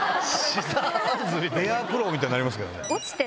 ベアクローみたいになりますけど。